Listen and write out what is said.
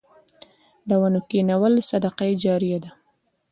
د ونو کینول صدقه جاریه ده.